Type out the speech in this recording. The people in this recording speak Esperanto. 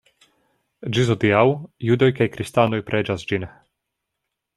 Ĝis hodiaŭ judoj kaj kristanoj preĝas ĝin.